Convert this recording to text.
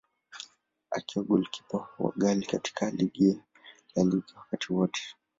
Akiwa golikipa wa ghali katika ligi ya La Liga wakati wote.